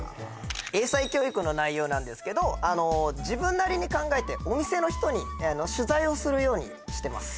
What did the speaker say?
英才教育の内容なんですけど自分なりに考えてお店の人に取材をするようにしてます